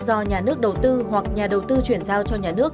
do nhà nước đầu tư hoặc nhà đầu tư chuyển giao cho nhà nước